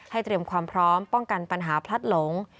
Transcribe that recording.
เตรียมความพร้อมป้องกันปัญหาพลัดหลง